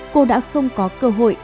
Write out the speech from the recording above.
cô đã không có cơ hội